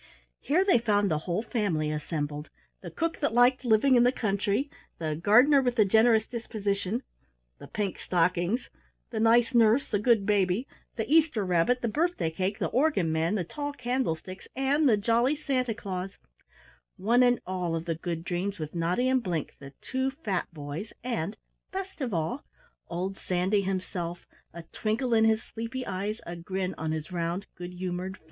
Here they found the whole family assembled: the Cook that liked living in the Country, the Gardener with the Generous Disposition, the Pink Stockings, the Nice Nurse, the Good Baby, the Easter Rabbit, the Birthday Cake, the Organ Man, the Tall Candlesticks, and the Jolly Santa Claus one and all of the Good Dreams, with Noddy and Blink, the two fat boys, and best of all old Sandy himself, a twinkle in his sleepy eyes, a grin on his round good humored face.